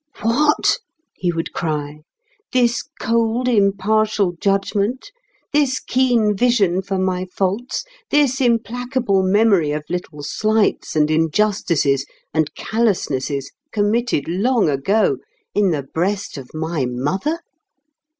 "What!" he would cry. "This cold, impartial judgment, this keen vision for my faults, this implacable memory of little slights, and injustices, and callousnesses committed long ago, in the breast of my mother!"